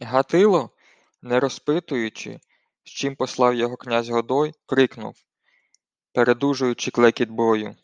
Гатило, не розпитуючи, з чим послав його князь Годой, крикнув, передужуючи клекіт бою: